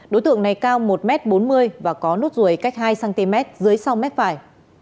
đối tượng này cao một m bốn mươi và có nốt ruồi cách hai cm dưới sau mép phải